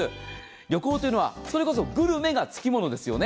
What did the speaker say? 旅行というのはグルメがつきものですよね。